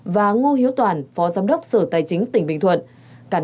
và ngô hiếu toàn phó giám đốc sở tài chính tỉnh bình thuận